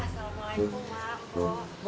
as salamu'alaikum mak pok